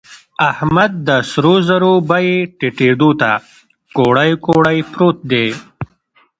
احمد د سرو زرو بيې ټيټېدو ته کوړۍ کوړۍ پروت دی.